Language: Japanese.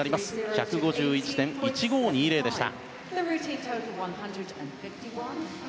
１５１．１５２０でした。